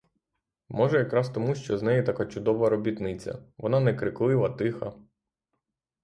Може якраз тому, що з неї така чудова робітниця, вона не криклива, тиха.